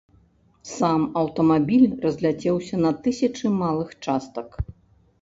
Сам аўтамабіль разляцеўся на тысячы малых частак.